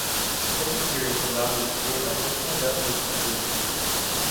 This experience allowed me to create my personal definition of doing theater.